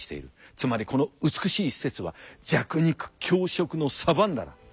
つまりこの美しい施設は弱肉強食のサバンナだ。